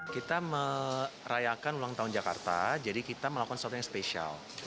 kita merayakan ulang tahun jakarta jadi kita melakukan sesuatu yang spesial